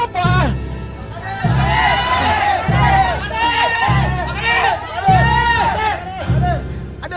pak kades pak kades pak kades